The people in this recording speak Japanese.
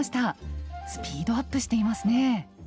スピードアップしていますね！